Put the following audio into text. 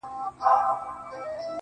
منم انداز ئې د ستم بدل دے